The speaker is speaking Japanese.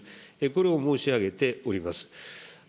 これを申し上げております。